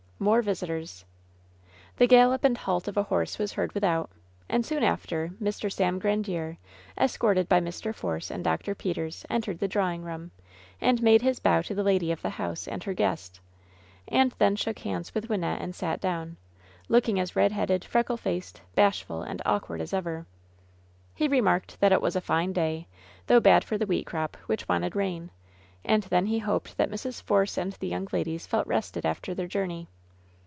More visitors. The gallop and halt of a horse was heard without, and LOVE'S BITTEREST CUP 158 soon after Mr. Sam Grandiere, escorted by Mr. Force and Dr. Peters, entered the drawing room, and made his bow to the lady of the house and her guest, and then shook hands with Wynnette and sat down, looking ad red headed, freckle faced, bashful and awkward as ever. He remarked that it was a fine day, though bad for the wheat crop, which wanted rain ; and then he hoped that Mrs. Force and the young ladies felt rested after their journey.